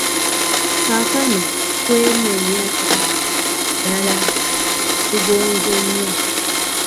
Kaakano twemenye, ddala tugonze nnyo